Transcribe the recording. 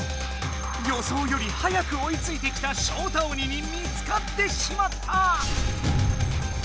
予想より早く追いついてきたショウタ鬼に見つかってしまった！